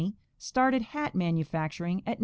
started hat manufacturing at No.